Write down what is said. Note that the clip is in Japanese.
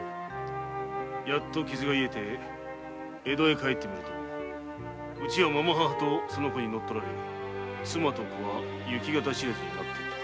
やっと傷が治って江戸へ帰ってみると家はまま母とその子に乗っ取られ妻と子は行方知れずになっていた。